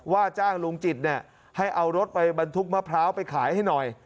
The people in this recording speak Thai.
ว่าจ้างลุงจิตเนี่ยให้เอารถไปบรรทุกมะพร้าวไปขายให้หน่อย